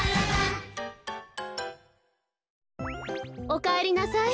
おかえりなさい。